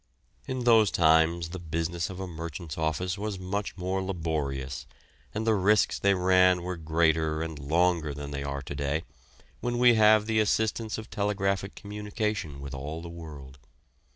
In those times the business of a merchant's office was much more laborious, and the risks they ran were greater and longer than they are to day, when we have the assistance of telegraphic communication with all the world.